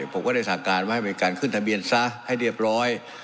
ผมก็ได้สั่งการว่าให้มีการขึ้นทะเบียนซะให้เรียบร้อย